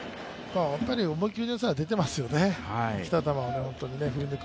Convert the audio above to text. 思い切りのよさが出ていますよね。